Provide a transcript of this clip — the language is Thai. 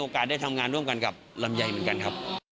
ไปฟังเสียงกันค่ะ